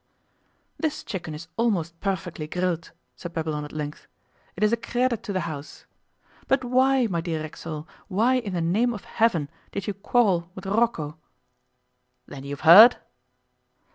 'This chicken is almost perfectly grilled,' said Babylon at length. 'It is a credit to the house. But why, my dear Racksole, why in the name of Heaven did you quarrel with Rocco?' 'Then you have heard?